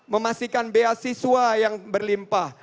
memastikan beasiswa yang berlimpah